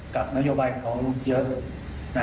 กับนายนโยบายของเขาเยอะ